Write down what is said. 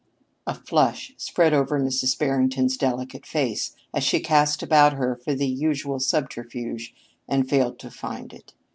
A flush spread over Mrs. Barrington's delicate face as she cast about her for the usual subterfuge and failed to find it.